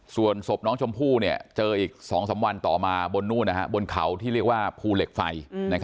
ส่วนศพน้องชมพู่เจออีก๒๓วันต่อมาบนนู่นบนเขาที่เรียกว่าภูเหล็กไฟ